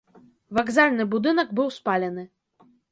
Вакзальны будынак быў спалены.